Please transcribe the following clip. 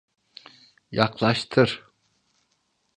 Yaklaştır.